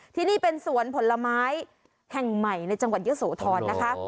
ที่นี่เป็นสวนผลไม้แห่งใหม่ในจังหวัดเยอะโสธรนะคะ